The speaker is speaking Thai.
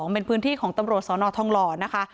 เป็นพื้นที่ของตำรวจสนทองหล่อนะคะ